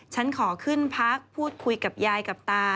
ฉันขอขึ้นพักพูดคุยกับยายกับตา